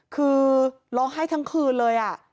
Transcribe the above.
คือร้องไห้ทั้งคืนเลย